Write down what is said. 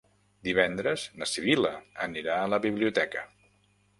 Divendres na Sibil·la anirà a la biblioteca.